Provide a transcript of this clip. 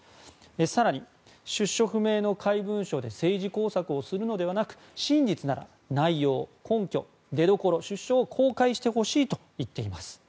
更に出所不明の怪文書で政治工作をするのではなく真実なら内容、根拠、出どころ出所を公開してほしいと言っています。